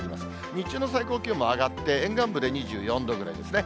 日中の最高気温も上がって、沿岸部で２４度ぐらいですね。